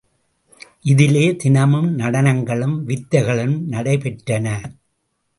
இதிலே தினமும் நடனங்களும், வித்தைகளும் நடைபெற்றன.